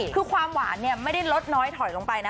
คือความหวานไม่ได้ลดน้อยถอยลงไปนะ